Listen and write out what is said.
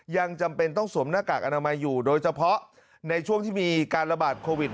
ยังจำเป็นต้องสวมหน้ากากอนามัยอยู่โดยเฉพาะในช่วงที่มีการระบาดโควิด